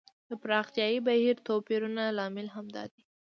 د پراختیايي بهیر توپیرونه لامل همدا دی.